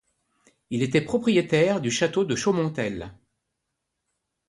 Il était propriétaire du château de Chaumontel.